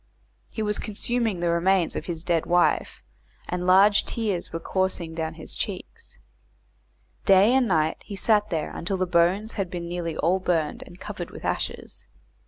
He was consuming the remains of his dead wife, and large tears were coursing down his cheeks. Day and night he sat there until the bones had been nearly all burned and covered with ashes.